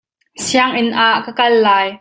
Sianginn ah ka kal lai.